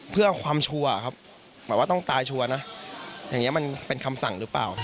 เพื่อความชัวร์ครับหมายว่าต้องตายชัวร์นะอย่างนี้มันเป็นคำสั่งหรือเปล่า